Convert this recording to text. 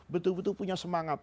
betul betul punya semangat